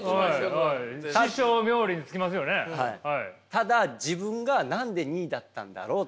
ただ自分が何で２位だったんだろうっていう。